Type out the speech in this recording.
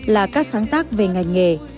là các sáng tác về ngành nghề